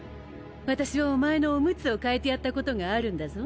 私はお前のオムツを替えてやったことがあるんだぞ。